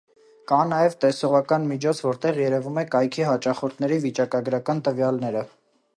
Կա նաև տեսողական միջոց, որտեղ երևում է կայքի հաճախորդների վիճակագրական տվյալները։